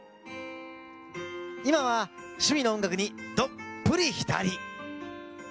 今は趣味の音楽にどっぷり浸り。